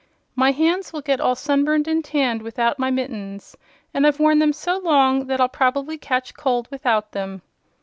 "My hands will get all sunburned and tanned without my mittens, and I've worn them so long that I'll probably catch cold without them."